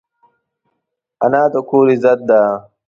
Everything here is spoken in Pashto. انا د کور عزت ده